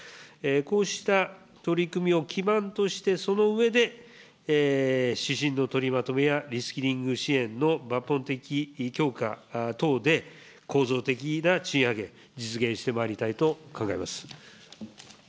こうした取り組みを基盤として、その上で指針の取りまとめやリスキリング支援の抜本的強化等で、構造的な賃上げ、実現してまいりたいと考えます。